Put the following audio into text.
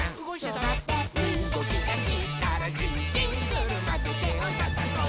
「とまってうごきだしたらヂンヂンするまでてをたたこう」